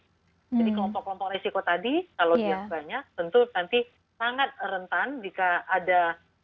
jadi kelompok kelompok resiko tadi kalau dia banyak tentu nanti sangat rentan jika ada